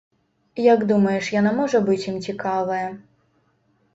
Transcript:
Як думаеш, яна можа быць ім цікавая?